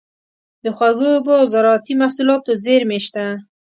د خوږو اوبو او زارعتي محصولاتو زیرمې شته.